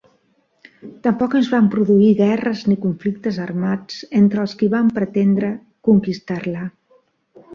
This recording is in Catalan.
Tampoc es van produir guerres ni conflictes armats entre els qui van pretendre conquistar-la.